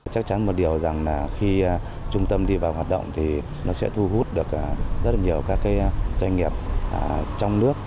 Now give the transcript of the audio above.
chắc chắn một điều rằng là khi trung tâm đi vào hoạt động thì nó sẽ thu hút được rất là nhiều các doanh nghiệp trong nước